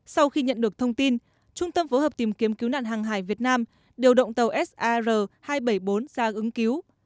sau khi nhận được thông tin trung tâm phối hợp tìm kiếm cứu nạn hàng hải việt nam điều động tàu sar hai trăm bảy mươi bốn ra ứng cứu